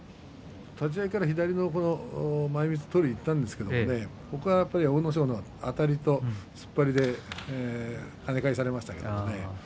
立ち合いから左の前みつを取りにいったんですがそこはやっぱり阿武咲のあたりと突っ張りではね返されましたね。